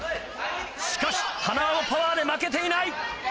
しかし塙もパワーで負けていない。